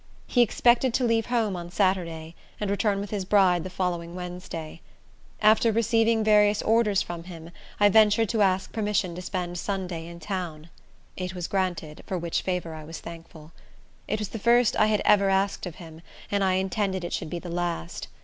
He expected to leave home on Saturday, and return with his bride the following Wednesday. After receiving various orders from him, I ventured to ask permission to spend Sunday in town. It was granted; for which favor I was thankful. It was the first I had ever asked of him, and I intended it should be the last.